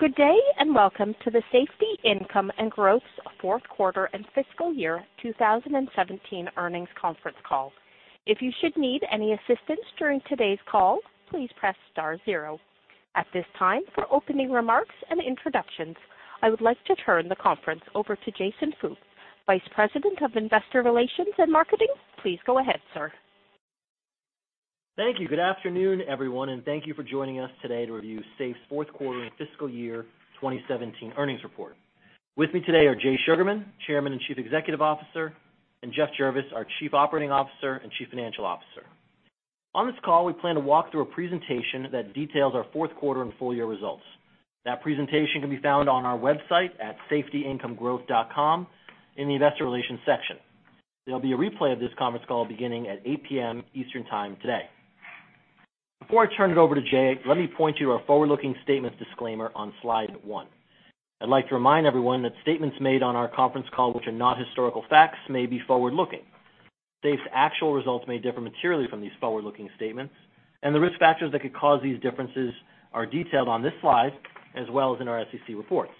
Good day, and welcome to the Safety, Income & Growth fourth quarter and fiscal year 2017 earnings conference call. If you should need any assistance during today's call, please press star zero. At this time, for opening remarks and introductions, I would like to turn the conference over to Jason Fooks, Vice President of Investor Relations and Marketing. Please go ahead, sir. Thank you. Good afternoon, everyone, and thank you for joining us today to review SAFE's fourth quarter and fiscal year 2017 earnings report. With me today are Jay Sugarman, Chairman and Chief Executive Officer, and Geoff Jervis, our Chief Operating Officer and Chief Financial Officer. On this call, we plan to walk through a presentation that details our fourth quarter and full year results. That presentation can be found on our website at safetyincomegrowth.com in the investor relations section. There'll be a replay of this conference call beginning at 8:00 P.M. Eastern Time today. Before I turn it over to Jay, let me point to our forward-looking statements disclaimer on slide one. I'd like to remind everyone that statements made on our conference call which are not historical facts may be forward-looking. SAFE's actual results may differ materially from these forward-looking statements, and the risk factors that could cause these differences are detailed on this slide, as well as in our SEC reports.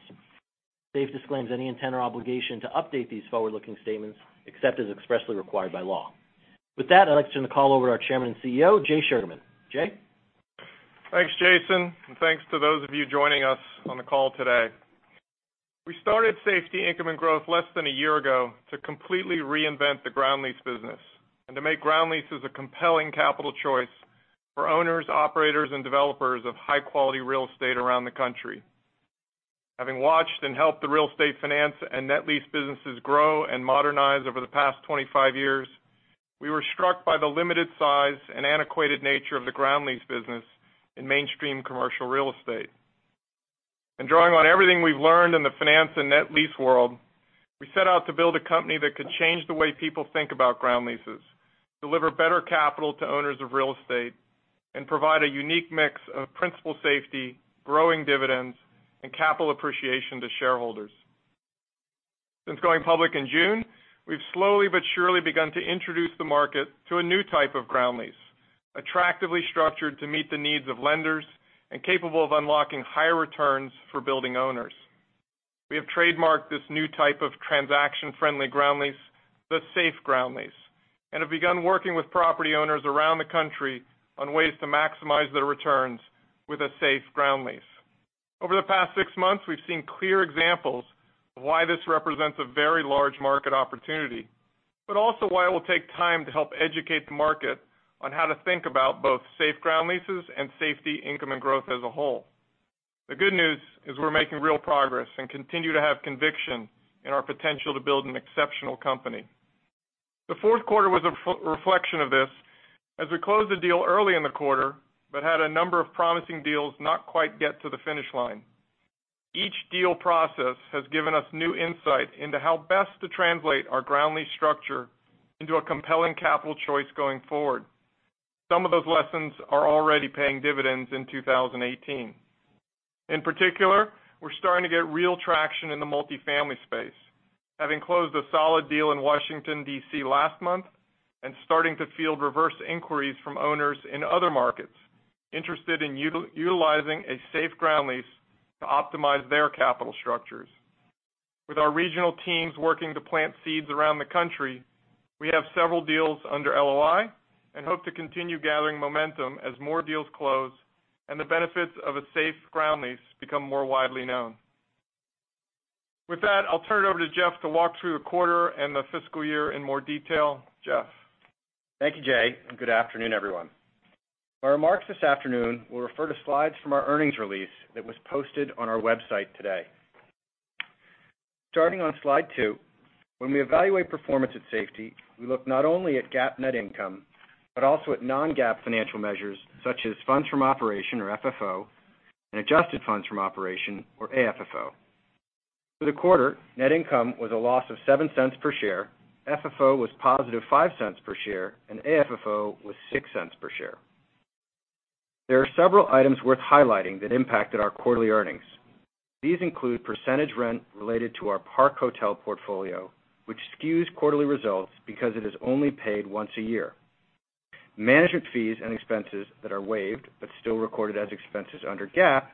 SAFE disclaims any intent or obligation to update these forward-looking statements except as expressly required by law. With that, I'd like to turn the call over to our Chairman and CEO, Jay Sugarman. Jay? Thanks, Jason, and thanks to those of you joining us on the call today. We started Safety, Income & Growth less than a year ago to completely reinvent the ground lease business and to make ground leases a compelling capital choice for owners, operators, and developers of high-quality real estate around the country. Having watched and helped the real estate finance and net lease businesses grow and modernize over the past 25 years, we were struck by the limited size and antiquated nature of the ground lease business in mainstream commercial real estate. Drawing on everything we've learned in the finance and net lease world, we set out to build a company that could change the way people think about ground leases, deliver better capital to owners of real estate, and provide a unique mix of principal safety, growing dividends, and capital appreciation to shareholders. Since going public in June, we've slowly but surely begun to introduce the market to a new type of ground lease, attractively structured to meet the needs of lenders and capable of unlocking higher returns for building owners. We have trademarked this new type of transaction-friendly ground lease the SAFE Ground Lease, and have begun working with property owners around the country on ways to maximize their returns with a SAFE Ground Lease. Over the past six months, we've seen clear examples of why this represents a very large market opportunity, but also why it will take time to help educate the market on how to think about both SAFE Ground Leases and Safety, Income & Growth as a whole. The good news is we're making real progress and continue to have conviction in our potential to build an exceptional company. The fourth quarter was a reflection of this as we closed the deal early in the quarter but had a number of promising deals not quite get to the finish line. Each deal process has given us new insight into how best to translate our ground lease structure into a compelling capital choice going forward. Some of those lessons are already paying dividends in 2018. In particular, we're starting to get real traction in the multifamily space, having closed a solid deal in Washington, D.C. last month and starting to field reverse inquiries from owners in other markets interested in utilizing a SAFE Ground Lease to optimize their capital structures. With our regional teams working to plant seeds around the country, we have several deals under LOI and hope to continue gathering momentum as more deals close and the benefits of a SAFE Ground Lease become more widely known. With that, I'll turn it over to Geoff to walk through the quarter and the fiscal year in more detail. Geoff? Thank you, Jay. Good afternoon, everyone. My remarks this afternoon will refer to slides from our earnings release that was posted on our website today. Starting on slide two, when we evaluate performance at Safety, we look not only at GAAP net income, but also at non-GAAP financial measures such as funds from operation, or FFO, and adjusted funds from operation, or AFFO. For the quarter, net income was a loss of $0.07 per share, FFO was positive $0.05 per share, and AFFO was $0.06 per share. There are several items worth highlighting that impacted our quarterly earnings. These include percentage rent related to our Park Hotels portfolio, which skews quarterly results because it is only paid once a year. Management fees and expenses that are waived but still recorded as expenses under GAAP,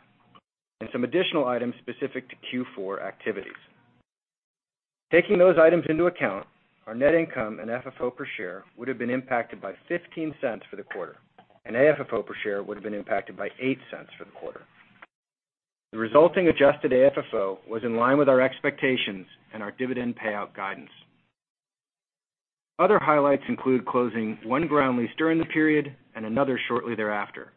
and some additional items specific to Q4 activities. Taking those items into account, our net income and FFO per share would've been impacted by $0.15 for the quarter, and AFFO per share would've been impacted by $0.08 for the quarter. The resulting adjusted AFFO was in line with our expectations and our dividend payout guidance. Other highlights include closing one ground lease during the period and another shortly thereafter.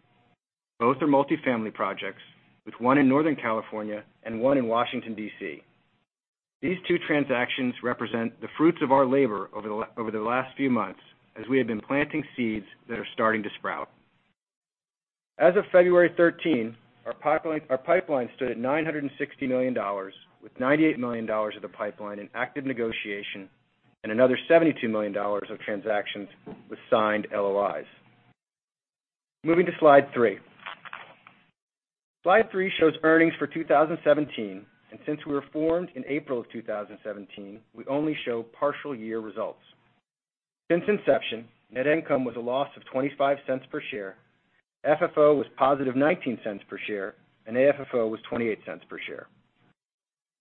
Both are multifamily projects with one in Northern California and one in Washington, D.C. These two transactions represent the fruits of our labor over the, over the last few months as we have been planting seeds that are starting to sprout. As of February 13, our pipeline stood at $960 million, with $98 million of the pipeline in active negotiation and another $72 million of transactions with signed LOIs. Moving to slide three. Since we were formed in April of 2017, we only show partial year results. Since inception, net income was a loss of $0.25 per share, FFO was positive $0.19 per share, and AFFO was $0.28 per share.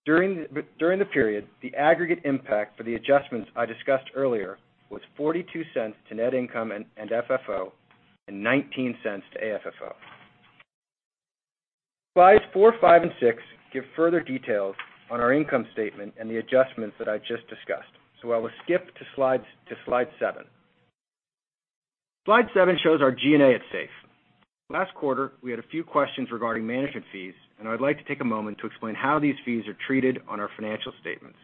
During the period, the aggregate impact for the adjustments I discussed earlier was $0.42 to net income and FFO, and $0.19 to AFFO. Slides four, five, and six give further details on our income statement and the adjustments that I just discussed. I will skip to slide seven. Slide seven shows our G&A at SAFE. Last quarter, we had a few questions regarding management fees, and I'd like to take a moment to explain how these fees are treated on our financial statements.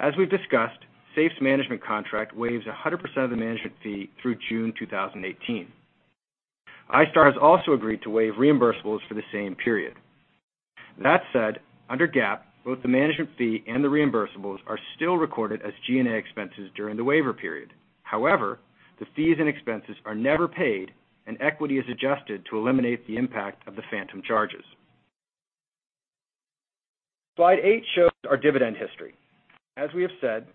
As we've discussed, SAFE's management contract waives 100% of the management fee through June 2018. iStar has also agreed to waive reimbursables for the same period. That said, under GAAP, both the management fee and the reimbursables are still recorded as G&A expenses during the waiver period. However, the fees and expenses are never paid, and equity is adjusted to eliminate the impact of the phantom charges. Slide eight shows our dividend history. As we have said,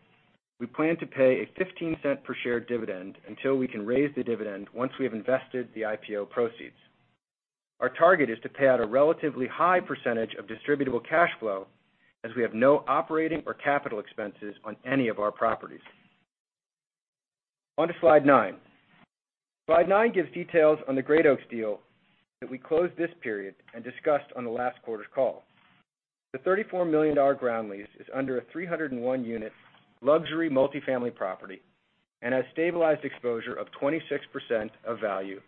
we plan to pay a $0.15 per share dividend until we can raise the dividend, once we have invested the IPO proceeds. Our target is to pay out a relatively high percentage of distributable cash flow, as we have no operating or capital expenses on any of our properties. On to slide nine. Slide nine gives details on the Great Oaks deal that we closed this period and discussed on the last quarter's call. The $34 million ground lease is under a 301-unit luxury multifamily property and has stabilized exposure of 26% of value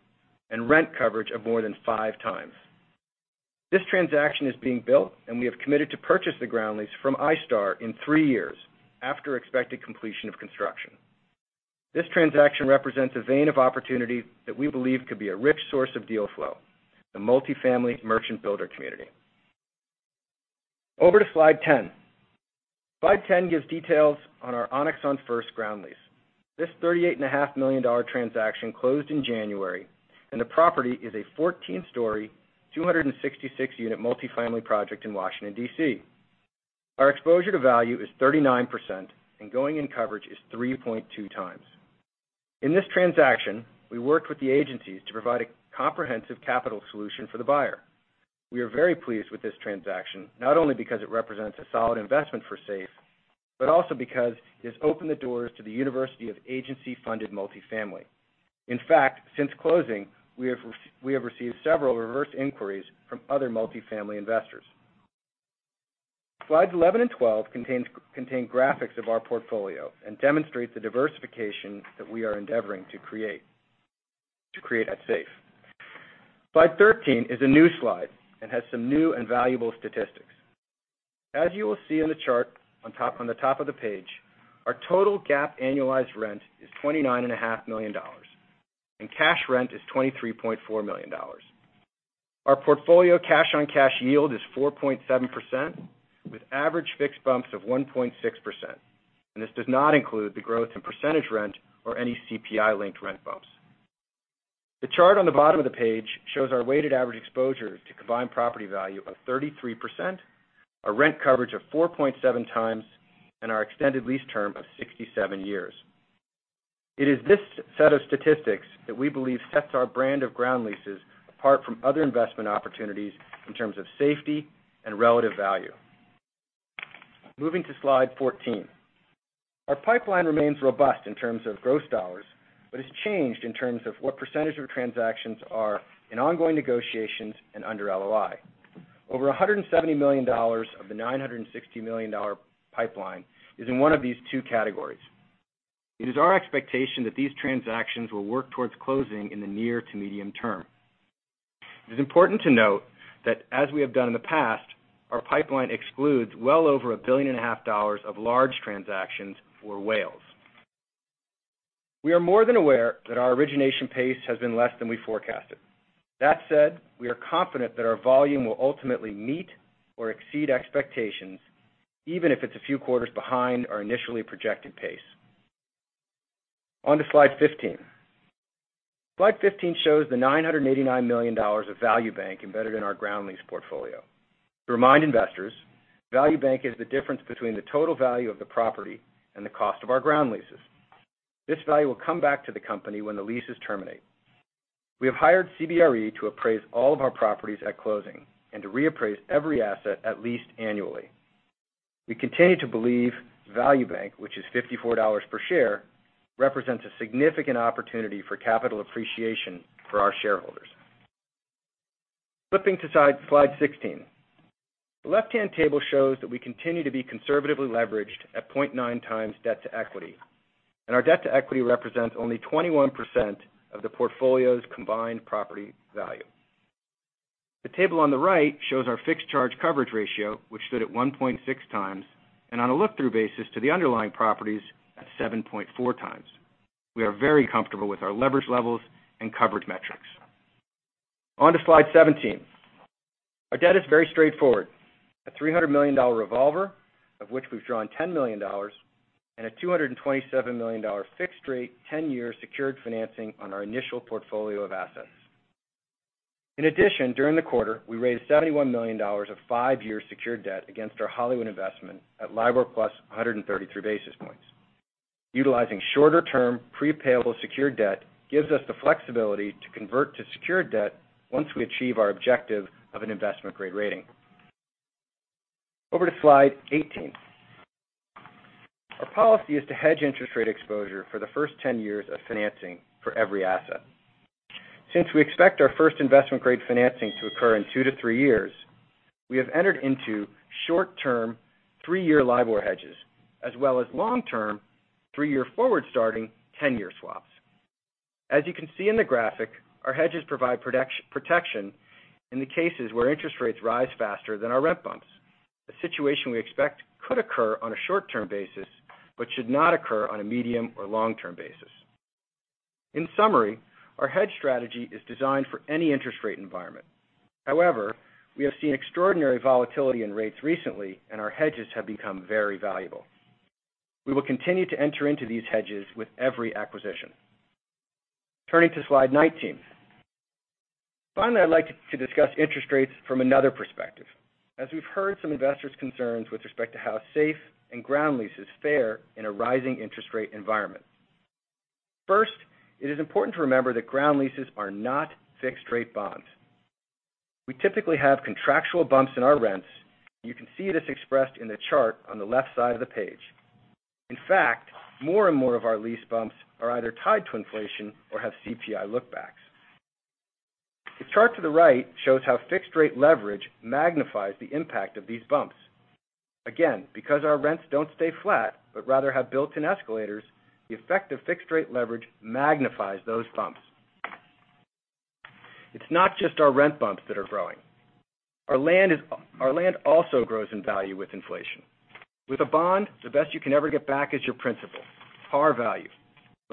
and rent coverage of more than five times. This transaction is being built, and we have committed to purchase the ground lease from iStar in three years, after expected completion of construction. This transaction represents a vein of opportunity that we believe could be a rich source of deal flow, the multifamily merchant builder community. Over to slide 10. Slide 10 gives details on our Onyx on First ground lease. This $38.5 million transaction closed in January, and the property is a 14-story, 266-unit multifamily project in Washington, D.C. Our exposure to value is 39%, and going in coverage is 3.2 times. In this transaction, we worked with the agencies to provide a comprehensive capital solution for the buyer. We are very pleased with this transaction, not only because it represents a solid investment for SAFE, but also because it has opened the doors to the universe of agency-funded multifamily. In fact, since closing, we have received several reverse inquiries from other multifamily investors. Slides 11 and 12 contain graphics of our portfolio and demonstrate the diversification that we are endeavoring to create at SAFE. Slide 13 is a new slide and has some new and valuable statistics. As you will see on the chart on the top of the page, our total GAAP annualized rent is $29.5 million, and cash rent is $23.4 million. Our portfolio cash-on-cash yield is 4.7%, with average fixed bumps of 1.6%, and this does not include the growth in percentage rent or any CPI-linked rent bumps. The chart on the bottom of the page shows our weighted average exposure to combined property value of 33%, our rent coverage of 4.7 times, and our extended lease term of 67 years. It is this set of statistics that we believe sets our brand of ground leases apart from other investment opportunities in terms of safety and relative value. Moving to slide 14. Our pipeline remains robust in terms of gross dollars, but has changed in terms of what percentage of transactions are in ongoing negotiations and under LOI. Over $170 million of the $960 million pipeline is in one of these two categories. It is our expectation that these transactions will work towards closing in the near to medium term. It is important to note that, as we have done in the past, our pipeline excludes well over $1.5 billion of large transactions for whales. We are more than aware that our origination pace has been less than we forecasted. That said, we are confident that our volume will ultimately meet or exceed expectations, even if it's a few quarters behind our initially projected pace. On to slide 15. Slide 15 shows the $989 million of Value Bank embedded in our ground lease portfolio. To remind investors, Value Bank is the difference between the total value of the property and the cost of our ground leases. This value will come back to the company when the leases terminate. We have hired CBRE to appraise all of our properties at closing and to reappraise every asset at least annually. We continue to believe Value Bank, which is $54 per share, represents a significant opportunity for capital appreciation for our shareholders. Flipping to slide 16. The left-hand table shows that we continue to be conservatively leveraged at 0.9 times debt to equity, and our debt to equity represents only 21% of the portfolio's combined property value. The table on the right shows our fixed charge coverage ratio, which stood at 1.6 times, and on a look-through basis to the underlying properties, at 7.4 times. We are very comfortable with our leverage levels and coverage metrics. On to slide 17. Our debt is very straightforward. A $300 million revolver, of which we've drawn $10 million, and a $227 million fixed rate, 10-year secured financing on our initial portfolio of assets. In addition, during the quarter, we raised $71 million of five-year secured debt against our Hollywood investment at LIBOR plus 133 basis points. Utilizing shorter-term, prepayable secured debt gives us the flexibility to convert to secured debt once we achieve our objective of an investment-grade rating. Over to slide 18. Our policy is to hedge interest rate exposure for the first 10 years of financing for every asset. Since we expect our first investment-grade financing to occur in two to three years, we have entered into short-term, three-year LIBOR hedges, as well as long-term, three-year forward starting, 10-year swaps. As you can see in the graphic, our hedges provide protection in the cases where interest rates rise faster than our rent bumps, a situation we expect could occur on a short-term basis but should not occur on a medium or long-term basis. In summary, our hedge strategy is designed for any interest rate environment. However, we have seen extraordinary volatility in rates recently, and our hedges have become very valuable. We will continue to enter into these hedges with every acquisition. Turning to slide 19. Finally, I'd like to discuss interest rates from another perspective, as we've heard some investors' concerns with respect to how SAFE and ground leases fare in a rising interest rate environment. First, it is important to remember that ground leases are not fixed rate bonds. We typically have contractual bumps in our rents. You can see this expressed in the chart on the left side of the page. In fact, more and more of our lease bumps are either tied to inflation or have CPI look-backs. The chart to the right shows how fixed rate leverage magnifies the impact of these bumps. Again, because our rents don't stay flat, but rather have built-in escalators, the effect of fixed rate leverage magnifies those bumps. It's not just our rent bumps that are growing. Our land also grows in value with inflation. With a bond, the best you can ever get back is your principal, par value.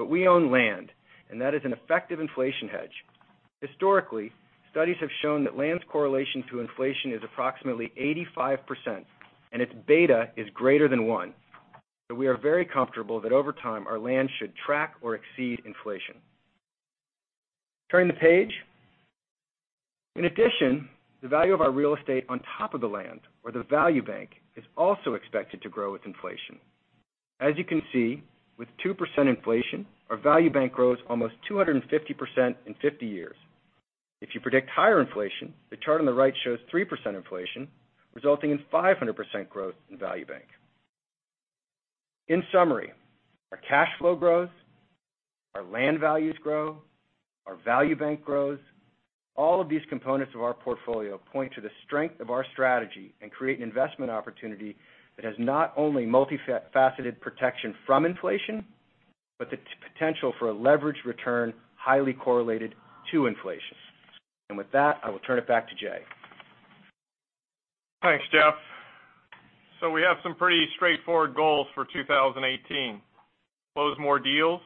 We own land, and that is an effective inflation hedge. Historically, studies have shown that land's correlation to inflation is approximately 85%, and its beta is greater than one. We are very comfortable that over time, our land should track or exceed inflation. Turning the page. In addition, the value of our real estate on top of the land, or the Value Bank, is also expected to grow with inflation. As you can see, with 2% inflation, our Value Bank grows almost 250% in 50 years. If you predict higher inflation, the chart on the right shows 3% inflation, resulting in 500% growth in Value Bank. In summary, our cash flow grows, our land values grow, our Value Bank grows. All of these components of our portfolio point to the strength of our strategy and create an investment opportunity that has not only multifaceted protection from inflation, but the potential for a leveraged return highly correlated to inflation. With that, I will turn it back to Jay. Thanks, Geoff. We have some pretty straightforward goals for 2018. Close more deals,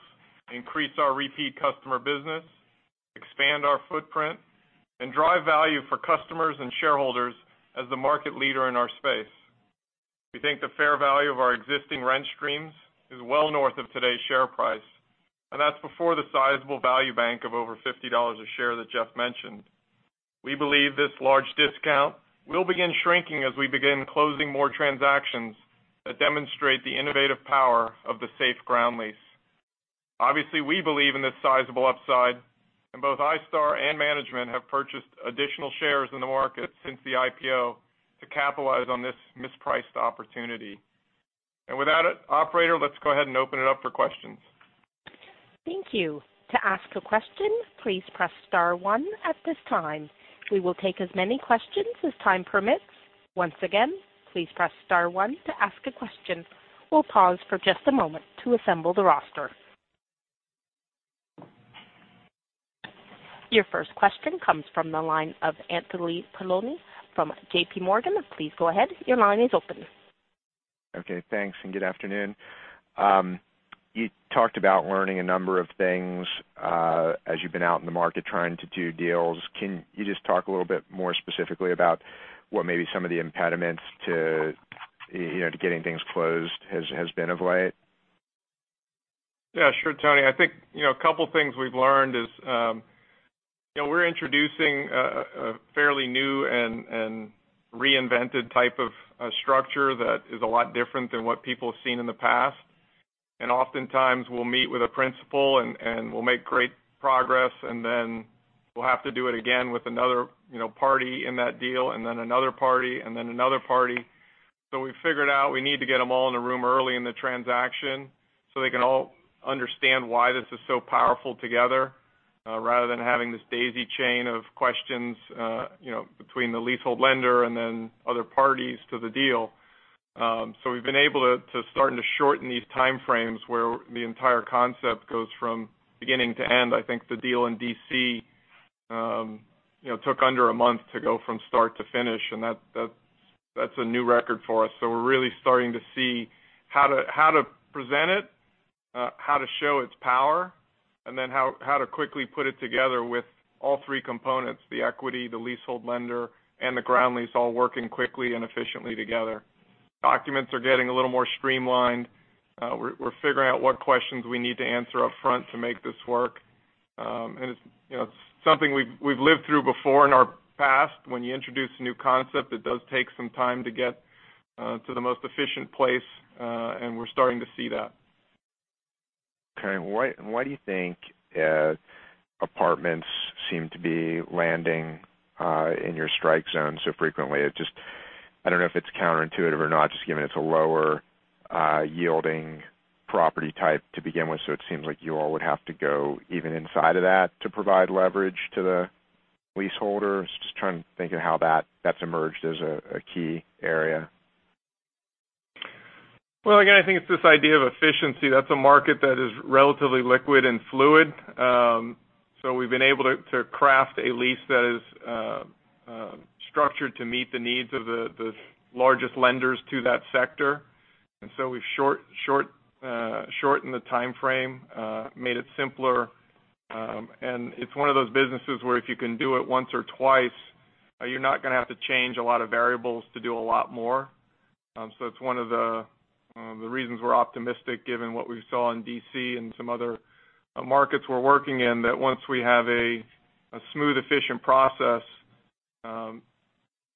increase our repeat customer business, expand our footprint, and drive value for customers and shareholders as the market leader in our space. We think the fair value of our existing rent streams is well north of today's share price, and that's before the sizable Value Bank of over $50 a share that Geoff mentioned. We believe this large discount will begin shrinking as we begin closing more transactions that demonstrate the innovative power of the SAFE Ground Lease. Obviously, we believe in this sizable upside, and both iStar and management have purchased additional shares in the market since the IPO to capitalize on this mispriced opportunity. With that, operator, let's go ahead and open it up for questions. Thank you. To ask a question, please press *1 at this time. We will take as many questions as time permits. Once again, please press *1 to ask a question. We'll pause for just a moment to assemble the roster. Your first question comes from the line of Anthony Paolone from JPMorgan. Please go ahead. Your line is open. Okay, thanks. Good afternoon. You talked about learning a number of things, as you've been out in the market trying to do deals. Can you just talk a little bit more specifically about what maybe some of the impediments to getting things closed has been of late? Yeah, sure, Tony. I think a couple of things we've learned is, we're introducing a fairly new and reinvented type of structure that is a lot different than what people have seen in the past. Oftentimes, we'll meet with a principal, and we'll make great progress, then we'll have to do it again with another party in that deal, then another party, then another party. We figured out we need to get them all in a room early in the transaction so they can all understand why this is so powerful together, rather than having this daisy chain of questions between the leasehold lender and then other parties to the deal. We've been able to starting to shorten these time frames where the entire concept goes from beginning to end. I think the deal in D.C. took under a month to go from start to finish, that's a new record for us. We're really starting to see how to present it, how to show its power, then how to quickly put it together with all three components, the equity, the leasehold lender, and the ground lease all working quickly and efficiently together. Documents are getting a little more streamlined. We're figuring out what questions we need to answer upfront to make this work. It's something we've lived through before in our past. When you introduce a new concept, it does take some time to get to the most efficient place, and we're starting to see that. Okay. Why do you think apartments seem to be landing in your strike zone so frequently? I don't know if it's counterintuitive or not, just given it's a lower-yielding property type to begin with, it seems like you all would have to go even inside of that to provide leverage to the leaseholders. Just trying to think of how that's emerged as a key area. Well, again, I think it's this idea of efficiency. That's a market that is relatively liquid and fluid. We've been able to craft a lease that is structured to meet the needs of the largest lenders to that sector. We've shortened the timeframe, made it simpler. It's one of those businesses where if you can do it once or twice, you're not going to have to change a lot of variables to do a lot more. It's one of the reasons we're optimistic, given what we saw in D.C. and some other markets we're working in, that once we have a smooth, efficient process,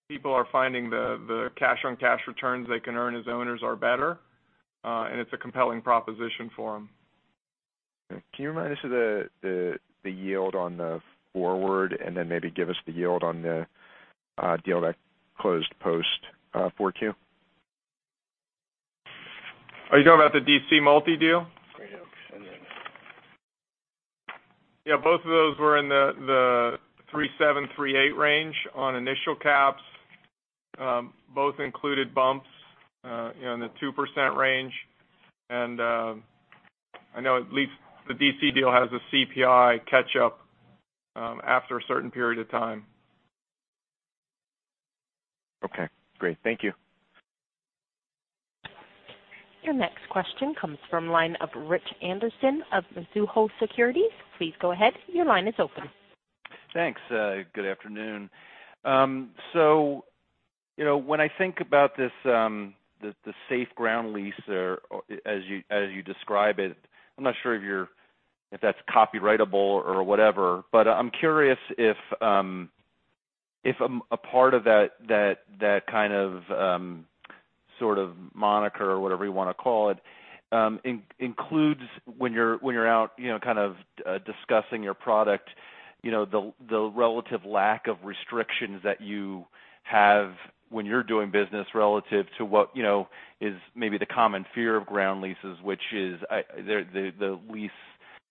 people are finding the cash-on-cash returns they can earn as owners are better. It's a compelling proposition for them. Can you remind us of the yield on the forward, and then maybe give us the yield on the deal that closed post 4Q? Are you talking about the D.C. multi-deal? Great Oaks. Yeah, both of those were in the 3.7, 3.8 range on initial caps. Both included bumps, in the 2% range. I know at least the D.C. deal has a CPI catch-up after a certain period of time. Okay, great. Thank you. Your next question comes from line of Rich Anderson of Mizuho Securities. Please go ahead. Your line is open. Thanks. Good afternoon. When I think about the SAFE Ground Lease as you describe it, I'm not sure if that's copyrightable or whatever. I'm curious if a part of that kind of moniker or whatever you want to call it, includes when you're out kind of discussing your product, the relative lack of restrictions that you have when you're doing business relative to what is maybe the common fear of ground leases, which is the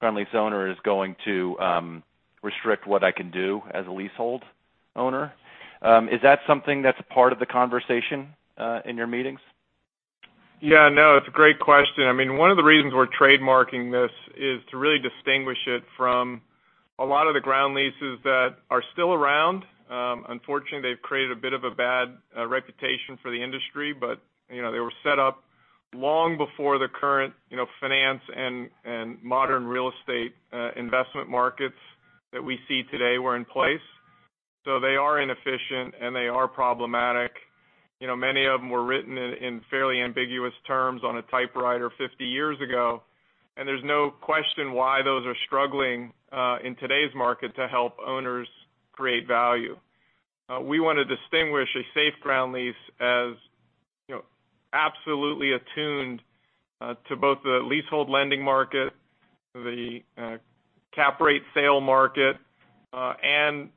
ground lease owner is going to restrict what I can do as a leasehold owner. Is that something that's a part of the conversation in your meetings? Yeah, no, it's a great question. One of the reasons we're trademarking this is to really distinguish it from a lot of the ground leases that are still around. Unfortunately, they've created a bit of a bad reputation for the industry, but they were set up long before the current finance and modern real estate investment markets that we see today were in place. They are inefficient, and they are problematic. Many of them were written in fairly ambiguous terms on a typewriter 50 years ago, and there's no question why those are struggling in today's market to help owners create value. We want to distinguish a SAFE Ground Lease as absolutely attuned to both the leasehold lending market, the cap rate sale market, and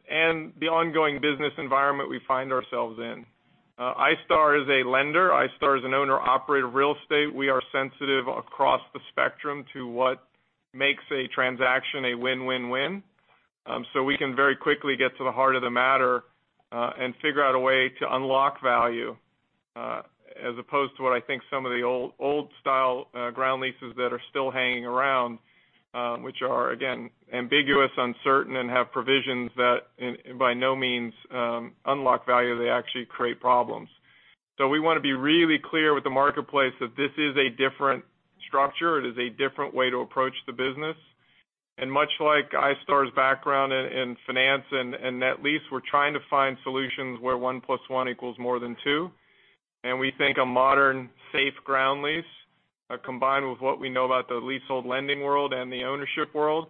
the ongoing business environment we find ourselves in. iStar is a lender. iStar is an owner-operator of real estate. We are sensitive across the spectrum to what makes a transaction a win-win-win. We can very quickly get to the heart of the matter, and figure out a way to unlock value, as opposed to what I think some of the old-style ground leases that are still hanging around, which are, again, ambiguous, uncertain, and have provisions that, by no means, unlock value. They actually create problems. We want to be really clear with the marketplace that this is a different structure. It is a different way to approach the business. Much like iStar's background in finance and net lease, we're trying to find solutions where one plus one equals more than two. We think a modern SAFE Ground Lease, combined with what we know about the leasehold lending world and the ownership world,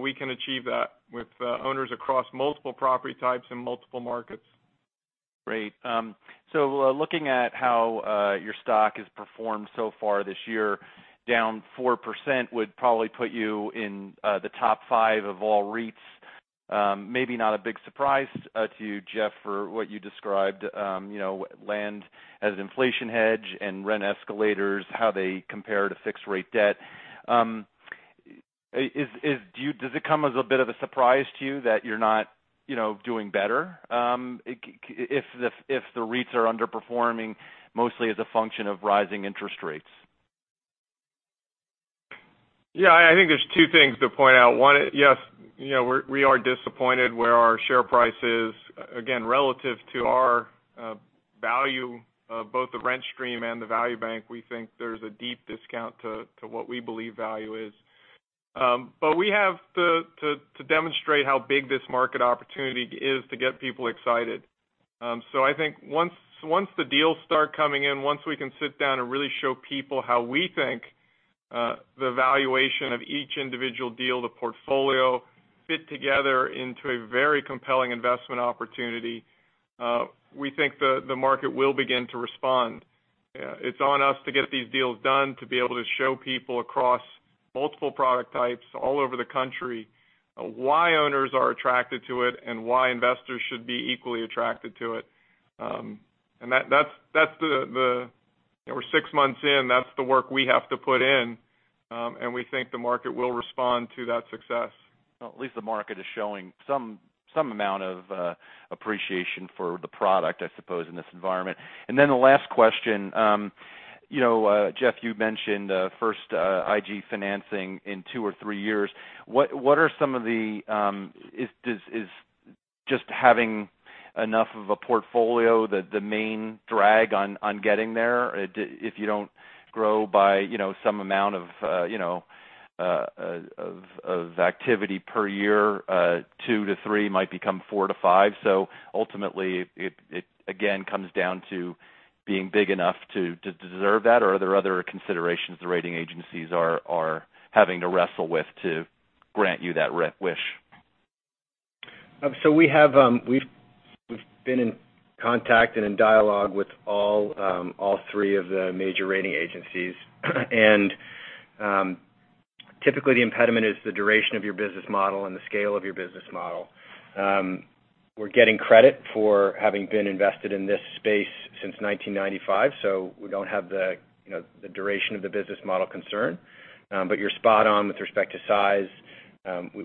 we can achieve that with owners across multiple property types and multiple markets. Great. Looking at how your stock has performed so far this year, down 4% would probably put you in the top five of all REITs. Maybe not a big surprise to you, Geoff, for what you described, land as an inflation hedge and rent escalators, how they compare to fixed rate debt. Does it come as a bit of a surprise to you that you're not doing better, if the REITs are underperforming mostly as a function of rising interest rates? I think there's two things to point out. One, yes, we are disappointed where our share price is, again, relative to our value of both the rent stream and the Value Bank. We think there's a deep discount to what we believe value is. We have to demonstrate how big this market opportunity is to get people excited. I think once the deals start coming in, once we can sit down and really show people how we think the valuation of each individual deal, the portfolio fit together into a very compelling investment opportunity, we think the market will begin to respond. It's on us to get these deals done, to be able to show people across multiple product types all over the country why owners are attracted to it and why investors should be equally attracted to it. We're six months in, that's the work we have to put in, and we think the market will respond to that success. Well, at least the market is showing some amount of appreciation for the product, I suppose, in this environment. The last question. Geoff, you mentioned first IG financing in two or three years. Is just having enough of a portfolio the main drag on getting there? If you don't grow by some amount of activity per year, two to three might become four to five. Ultimately, it again comes down to being big enough to deserve that or are there other considerations the rating agencies are having to wrestle with to grant you that wish? We've been in contact and in dialogue with all three of the major rating agencies. Typically the impediment is the duration of your business model and the scale of your business model. We're getting credit for having been invested in this space since 1995. We don't have the duration of the business model concern. You're spot on with respect to size.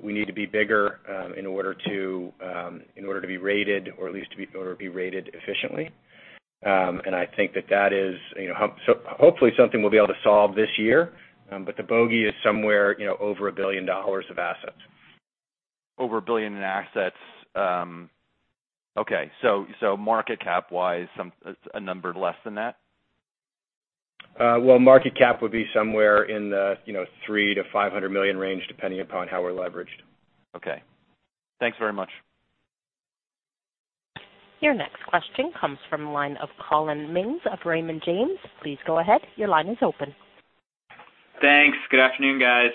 We need to be bigger in order to be rated or at least in order to be rated efficiently. I think that that is hopefully something we'll be able to solve this year. The bogey is somewhere over $1 billion of assets. Over $1 billion in assets. Okay. Market cap wise, a number less than that? Well, market cap would be somewhere in the $300 million to $500 million range, depending upon how we're leveraged. Okay. Thanks very much. Your next question comes from the line of Collin Mings of Raymond James. Please go ahead. Your line is open. Thanks. Good afternoon, guys.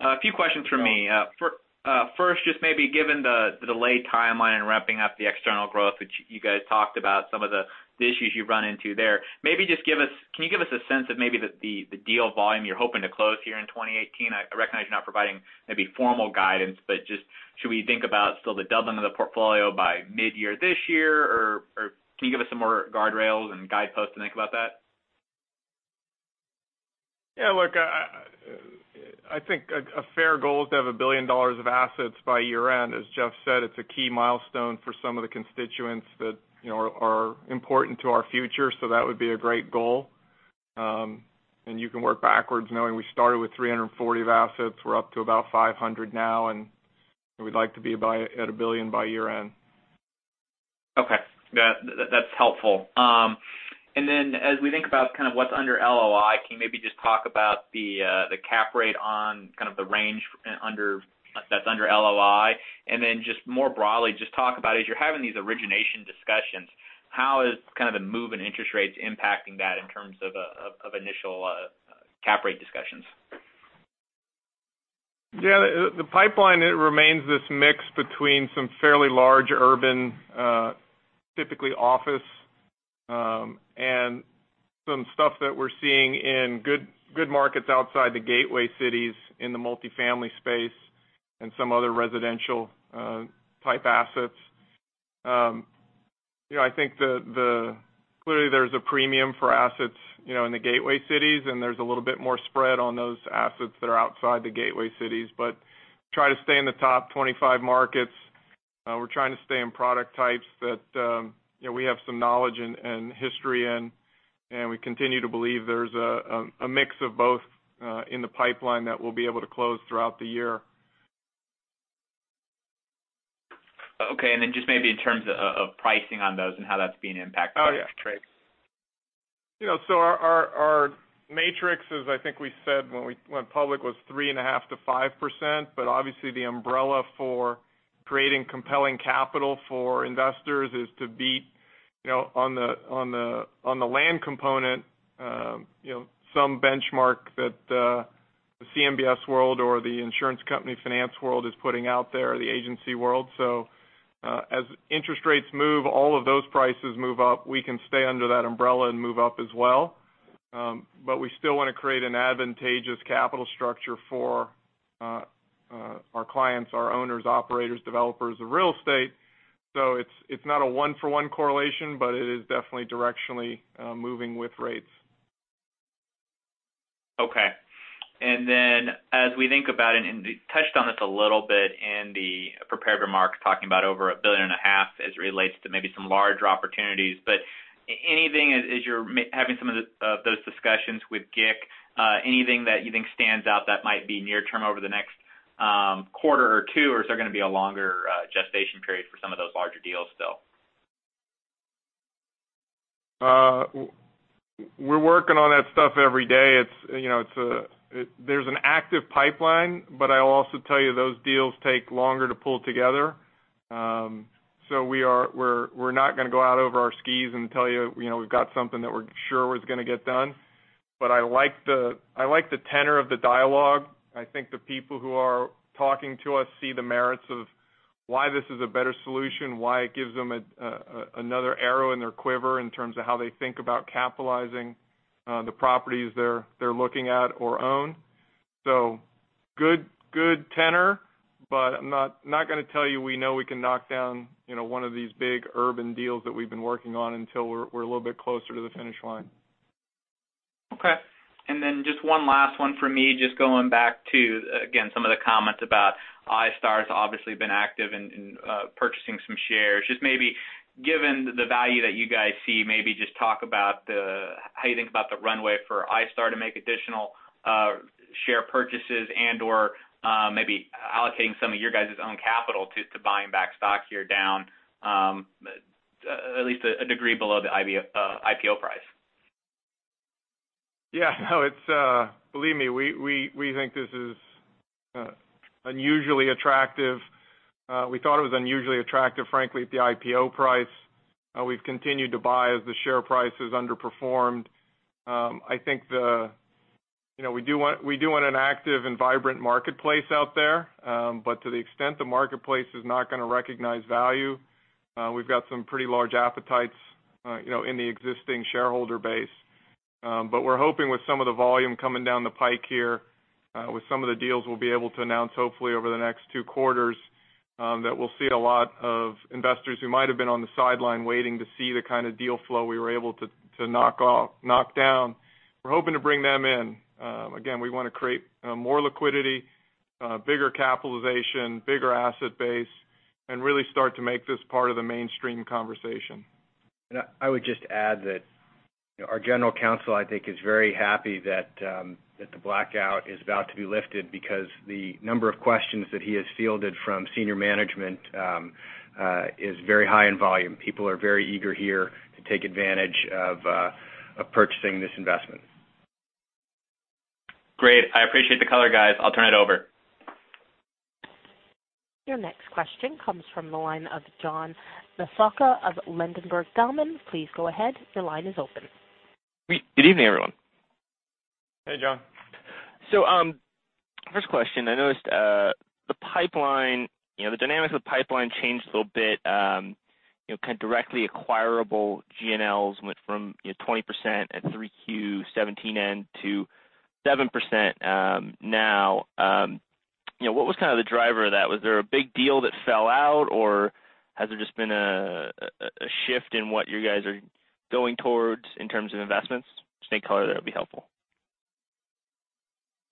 A few questions from me. Sure. Just maybe given the delayed timeline in ramping up the external growth, which you guys talked about, some of the issues you've run into there. Can you give us a sense of maybe the deal volume you're hoping to close here in 2018? I recognize you're not providing maybe formal guidance, but just should we think about still the doubling of the portfolio by mid-year this year, or can you give us some more guardrails and guideposts to think about that? Look, I think a fair goal is to have $1 billion of assets by year-end. As Geoff said, it's a key milestone for some of the constituents that are important to our future, that would be a great goal. You can work backwards knowing we started with $340 of assets. We're up to about $500 now, and we'd like to be at $1 billion by year-end. Okay. That's helpful. As we think about what's under LOI, can you maybe just talk about the cap rate on kind of the range that's under LOI? Just more broadly, just talk about as you're having these origination discussions, how is kind of the move in interest rates impacting that in terms of initial cap rate discussions? The pipeline remains this mix between some fairly large urban, typically office, and some stuff that we're seeing in good markets outside the gateway cities in the multifamily space and some other residential-type assets. I think clearly there's a premium for assets in the gateway cities, and there's a little bit more spread on those assets that are outside the gateway cities, but try to stay in the top 25 markets. We're trying to stay in product types that we have some knowledge and history in, we continue to believe there's a mix of both in the pipeline that we'll be able to close throughout the year. Just maybe in terms of pricing on those and how that's being impacted. Our matrix, as I think we said when public, was 3.5%-5%, obviously the umbrella for creating compelling capital for investors is to beat on the land component some benchmark that the CMBS world or the insurance company finance world is putting out there, the agency world. As interest rates move, all of those prices move up. We can stay under that umbrella and move up as well. We still want to create an advantageous capital structure for our clients, our owners, operators, developers of real estate. It's not a one-for-one correlation, it is definitely directionally moving with rates. As we think about it, you touched on this a little bit in the prepared remarks, talking about over $1.5 billion as it relates to maybe some larger opportunities. Anything as you're having some of those discussions with GIC, anything that you think stands out that might be near term over the next quarter or two? Is there going to be a longer gestation period for some of those larger deals still? We're working on that stuff every day. There's an active pipeline, I'll also tell you those deals take longer to pull together. We're not going to go out over our skis and tell you we've got something that we're sure is going to get done, I like the tenor of the dialogue. I think the people who are talking to us see the merits of why this is a better solution, why it gives them another arrow in their quiver in terms of how they think about capitalizing the properties they're looking at or own. Good tenor, I'm not going to tell you we know we can knock down one of these big urban deals that we've been working on until we're a little bit closer to the finish line. Okay. Just one last one from me, just going back to, again, some of the comments about iStar's obviously been active in purchasing some shares. Just maybe given the value that you guys see, maybe just talk about how you think about the runway for iStar to make additional share purchases and/or maybe allocating some of your guys' own capital to buying back stock here down at least a degree below the IPO price. Yeah. Believe me, we think this is unusually attractive. We thought it was unusually attractive, frankly, at the IPO price. We've continued to buy as the share price has underperformed. To the extent the marketplace is not going to recognize value, we've got some pretty large appetites in the existing shareholder base. We're hoping with some of the volume coming down the pike here, with some of the deals we'll be able to announce, hopefully over the next two quarters, that we'll see a lot of investors who might have been on the sideline waiting to see the kind of deal flow we were able to knock down. We're hoping to bring them in. Again, we want to create more liquidity, bigger capitalization, bigger asset base, and really start to make this part of the mainstream conversation. I would just add that our general counsel, I think, is very happy that the blackout is about to be lifted because the number of questions that he has fielded from senior management is very high in volume. People are very eager here to take advantage of purchasing this investment. Great. I appreciate the color, guys. I'll turn it over. Your next question comes from the line of John Nasfa of Ladenburg Thalmann. Please go ahead. Your line is open. Good evening, everyone. Hey, John. First question, I noticed the dynamics of the pipeline changed a little bit. Kind of directly acquirable GNLs went from 20% at 3Q 2017 end to 7% now. What was the driver of that? Was there a big deal that fell out, or has there just been a shift in what you guys are going towards in terms of investments? Just any color there would be helpful.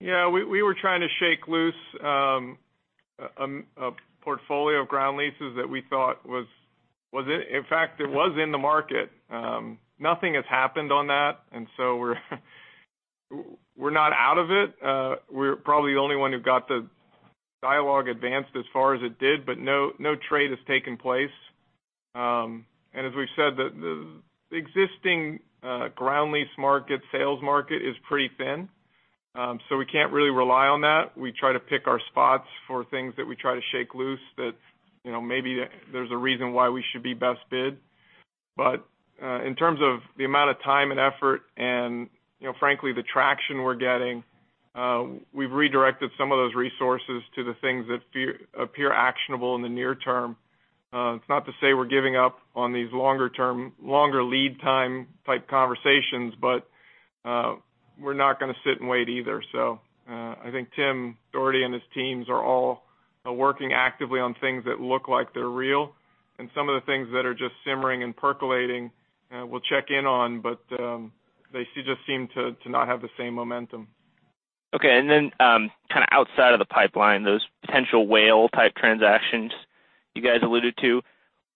Yeah. We were trying to shake loose a portfolio of ground leases that we thought was in fact in the market. Nothing has happened on that. We're not out of it. We're probably the only one who got the dialogue advanced as far as it did, but no trade has taken place. As we've said, the existing ground lease market, sales market, is pretty thin. We can't really rely on that. We try to pick our spots for things that we try to shake loose that maybe there's a reason why we should be best bid. In terms of the amount of time and effort and frankly, the traction we're getting, we've redirected some of those resources to the things that appear actionable in the near term. It's not to say we're giving up on these longer lead time type conversations, but we're not going to sit and wait either. I think Tim Doherty and his teams are all working actively on things that look like they're real. Some of the things that are just simmering and percolating, we'll check in on, but they just seem to not have the same momentum. Okay. Kind of outside of the pipeline, those potential whale-type transactions you guys alluded to,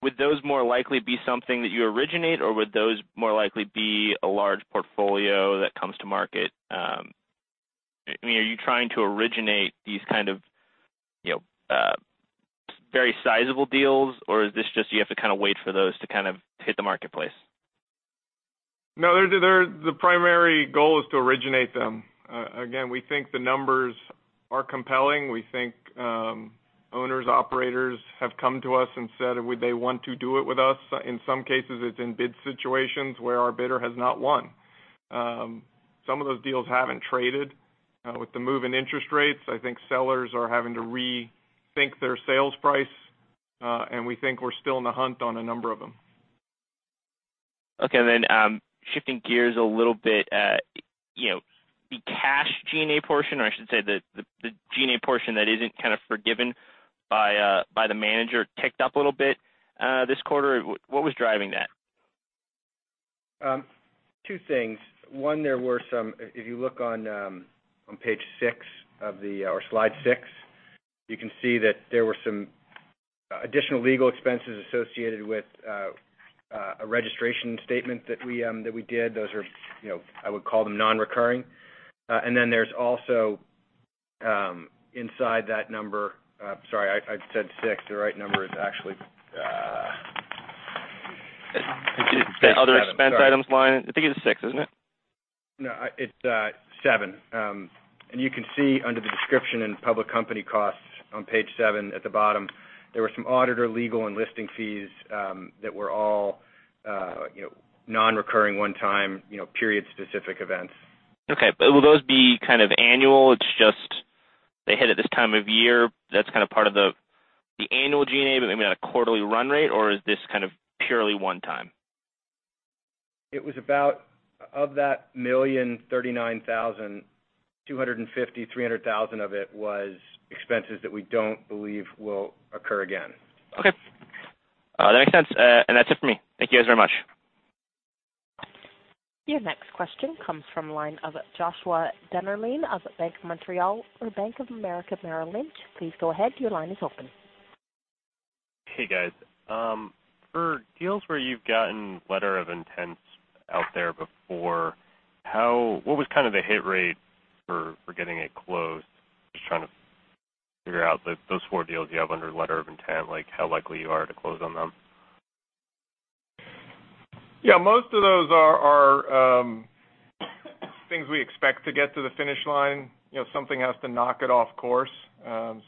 would those more likely be something that you originate, or would those more likely be a large portfolio that comes to market? Are you trying to originate these kind of very sizable deals, or is this just you have to kind of wait for those to hit the marketplace? No. The primary goal is to originate them. Again, we think the numbers are compelling. We think owners, operators have come to us and said they want to do it with us. In some cases, it's in bid situations where our bidder has not won. Some of those deals haven't traded. With the move in interest rates, I think sellers are having to rethink their sales price. We think we're still in the hunt on a number of them. Okay, shifting gears a little bit. The cash G&A portion, or I should say the G&A portion that isn't kind of forgiven by the manager ticked up a little bit this quarter. What was driving that? Two things. One, if you look on Page six or Slide six, you can see that there were some additional legal expenses associated with a registration statement that we did. I would call them non-recurring. Inside that number. Sorry, I said six. The right number is actually seven. Sorry. Other expense items line. I think it's six, isn't it? No, it's seven. You can see under the description in public company costs on page seven at the bottom, there were some auditor legal and listing fees that were all non-recurring, one-time, period-specific events. Okay. Will those be kind of annual? It's just, they hit at this time of year, that's kind of part of the annual GA, but maybe on a quarterly run rate, or is this kind of purely one time? Of that $1,039,250, $300,000 of it was expenses that we don't believe will occur again. Okay. That makes sense. That's it for me. Thank you guys very much. Your next question comes from the line of Joshua Dennerlein of Bank of America Merrill Lynch. Please go ahead. Your line is open. Hey, guys. For deals where you've gotten letter of intents out there before, what was kind of the hit rate for getting it closed? Just trying to figure out those four deals you have under letter of intent, like how likely you are to close on them. Yeah, most of those are things we expect to get to the finish line. Something has to knock it off course.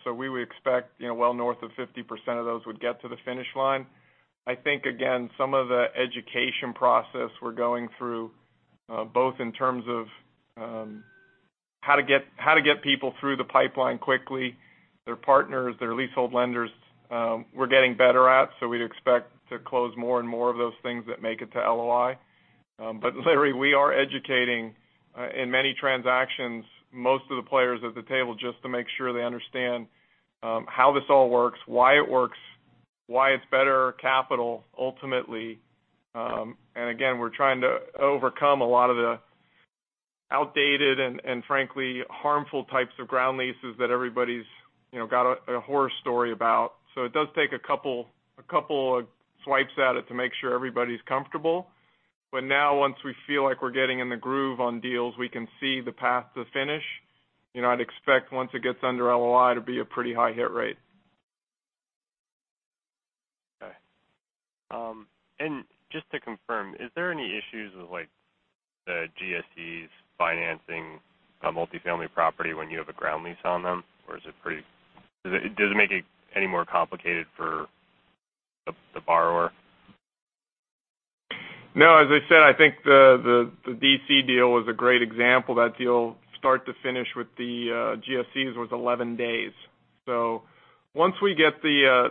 We would expect well north of 50% of those would get to the finish line. I think, again, some of the education process we're going through, both in terms of how to get people through the pipeline quickly, their partners, their leasehold lenders, we're getting better at, so we'd expect to close more and more of those things that make it to LOI. Literally, we are educating, in many transactions, most of the players at the table just to make sure they understand how this all works, why it works, why it's better capital, ultimately. Again, we're trying to overcome a lot of the outdated and frankly, harmful types of ground leases that everybody's got a horror story about. It does take a couple of swipes at it to make sure everybody's comfortable. Now once we feel like we're getting in the groove on deals, we can see the path to finish. I'd expect once it gets under LOI to be a pretty high hit rate. Okay. Just to confirm, is there any issues with the GSEs financing a multifamily property when you have a ground lease on them? Does it make it any more complicated for the borrower? No, as I said, I think the D.C. deal was a great example. That deal start to finish with the GSEs was 11 days. Once we get the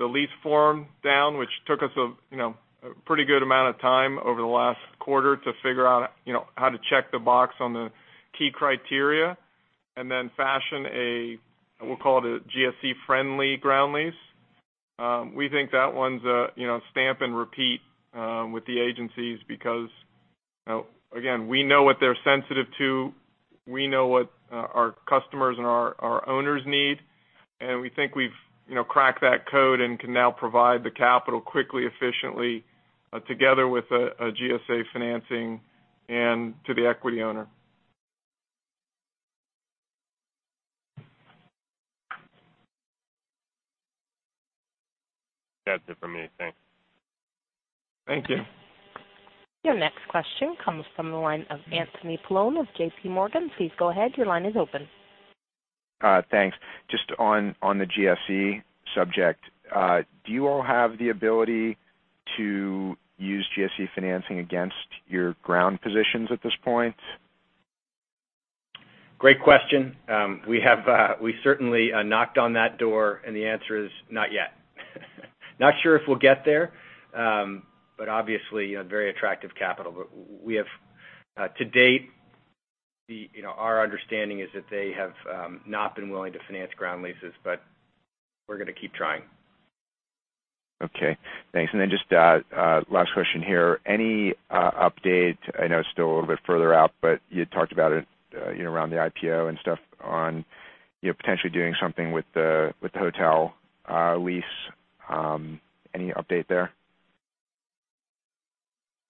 lease form down, which took us a pretty good amount of time over the last quarter to figure out how to check the box on the key criteria and then fashion a, we'll call it a GSE-friendly ground lease. We think that one's stamp and repeat with the agencies because, again, we know what they're sensitive to, we know what our customers and our owners need, and we think we've cracked that code and can now provide the capital quickly, efficiently, together with a GSE financing and to the equity owner. That's it for me. Thanks. Thank you. Your next question comes from the line of Anthony Paolone of JPMorgan. Please go ahead. Your line is open. Thanks. Just on the GSE subject, do you all have the ability to use GSE financing against your ground positions at this point? Great question. We certainly knocked on that door, the answer is not yet. Not sure if we'll get there, but obviously, very attractive capital. To date, our understanding is that they have not been willing to finance ground leases, but we're going to keep trying. Okay. Thanks. Just last question here. Any update, I know it's still a little bit further out, but you had talked about it around the IPO and stuff on potentially doing something with the hotel lease. Any update there?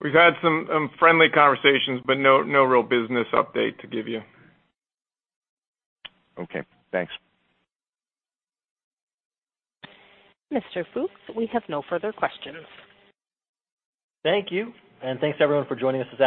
We've had some friendly conversations, but no real business update to give you. Okay. Thanks. Mr. Fooks, we have no further questions. Thank you, and thanks, everyone, for joining us this afternoon.